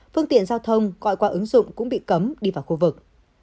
phương tiện giao thông gọi qua ứng dụng cũng bị cấm đi vào khu vực